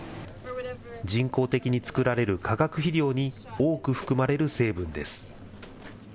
人工的に作られる化学肥料に多く含まれる成分です。